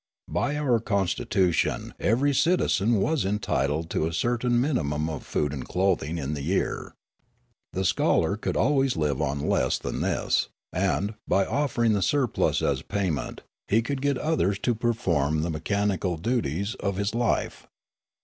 By our constitution every citizen was entitled to a certain minimum of food and clothing in the year. The scholar could always live on less than this, and, by offering the surplus as payment, he could get others to perform the mechanical duties of his life.